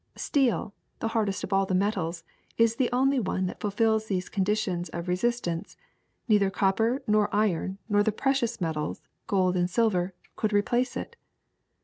Steel, the hardest of all the metals, is the only one that ful fils these conditions of resistance ; neither copper nor iron nor the precious metals, gold and silver, could replace it.